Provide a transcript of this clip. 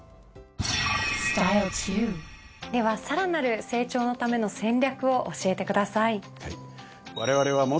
ではさらなる成長のための戦略を教えてください。